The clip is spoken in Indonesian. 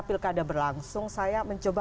pilkada berlangsung saya mencoba